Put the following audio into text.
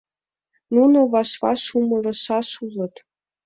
Нуно ваш-ваш умылышаш улыт.